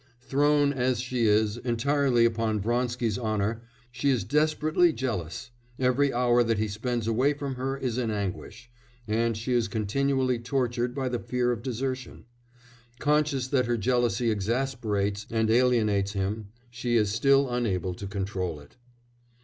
Thrown, as she is, entirely upon Vronsky's honour, she is desperately jealous; every hour that he spends away from her is an anguish, and she is continually tortured by the fear of desertion; conscious that her jealousy exasperates and alienates him, she is still unable to control it.